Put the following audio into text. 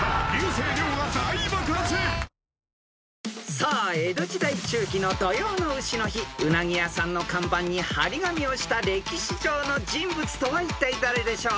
［さあ江戸時代中期の土用の丑の日うなぎ屋さんの看板に張り紙をした歴史上の人物とはいったい誰でしょう？］